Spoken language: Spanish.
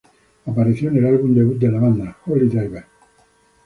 Apareció en el álbum debut de la banda: Holy Diver.